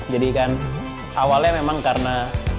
jadi kan awalnya memang karena